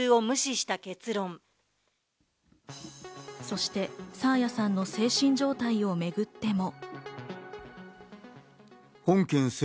そして、爽彩さんの精神状態をめぐっても。